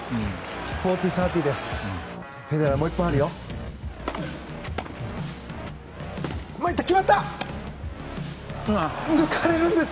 ４０−３０です。